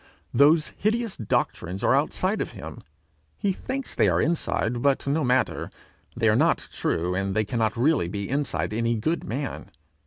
Those hideous doctrines are outside of him; he thinks they are inside, but no matter; they are not true, and they cannot really be inside any good man.